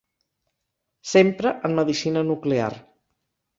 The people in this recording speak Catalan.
S'empra en medicina nuclear.